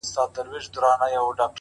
د هوی و های د محفلونو د شرنګاه لوري ـ